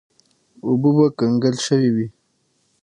اوبه به کنګل شوې وې.